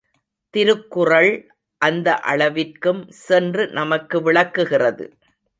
திருக்குறள் அந்த அளவிற்கும் சென்று நமக்கு விளக்குகிறது.